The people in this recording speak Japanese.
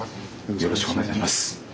よろしくお願いします。